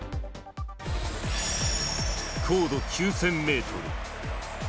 高度９０００メートル。